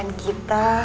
ibu masih di rumah